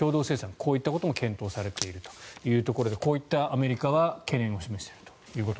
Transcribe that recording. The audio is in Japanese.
こういったことも検討されているということでこういったアメリカは懸念をしましたと。